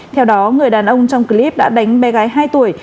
theo đó người đàn ông trong clip đã đánh bé gái hai tuổi